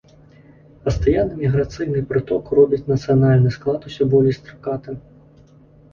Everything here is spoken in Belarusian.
Пастаянны міграцыйны прыток робіць нацыянальны склад усё болей стракатым.